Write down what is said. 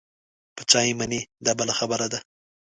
په چا یې منې دا بله خبره ده.